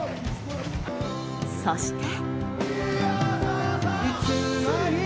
そして。